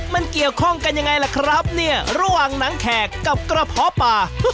มันเกี่ยวข้องกันยังไงล่ะครับเนี่ยระหว่างหนังแขกกับกระเพาะป่า